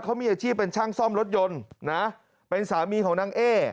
เขามีอาชีพเป็นช่างซ่อมรถยนต์นะเป็นสามีของนางเอ